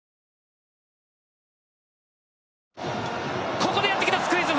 ここでやってきたスクイズ！